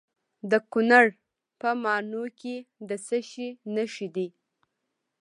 د کونړ په ماڼوګي کې د څه شي نښې دي؟